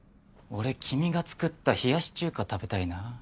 俺君が作った冷やし中華食べたいな。